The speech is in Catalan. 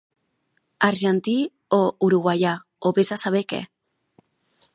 Argentí o uruguaià o vés a saber què.